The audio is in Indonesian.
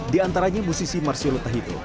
di antaranya musisi marciel lutahito